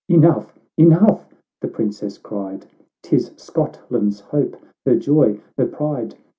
— "Enough, enough," the princess cried, "'Tis Scotland's hope, her joy, her pride